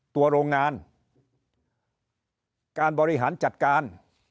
โรงงานการบริหารจัดการ